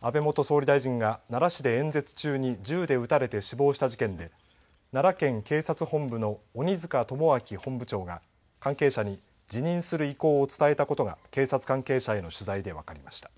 安倍元総理大臣が奈良市で演説中に銃で撃たれて死亡した事件で奈良県警察本部の鬼塚友章本部長が関係者に辞任する意向を伝えたことが警察関係者への取材で分かりました。